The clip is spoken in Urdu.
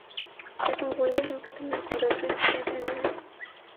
کیا تم بھول گئے ہو کہ تمہیں اپنی گرل فرینڈ سے کیا کہنا ہے؟